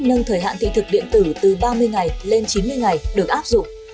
nâng thời hạn thị thực điện tử từ ba mươi ngày lên chín mươi ngày được áp dụng